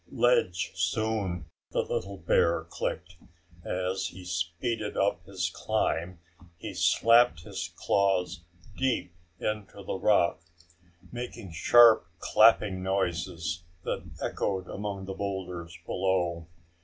"Ledge soon," the little bear clicked. As he speeded up his climb he slapped his claws deep into the rock, making sharp clapping noises that echoed among the boulders below.